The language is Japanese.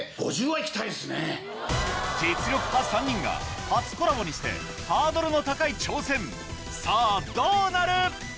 実力派３人が初コラボにしてハードルの高い挑戦さぁどうなる？